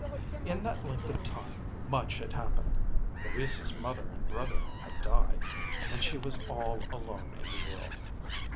In that length of time much had happened. Louisa's mother and brother had died, and she was all alone in the world.